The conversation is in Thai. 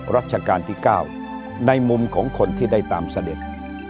รัชกาลที่๙ในมุมของคนที่ได้ตามเสด็จ